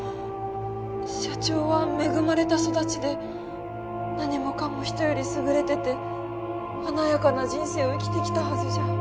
社長は恵まれた育ちで何もかも人より優れてて華やかな人生を生きてきたはずじゃ。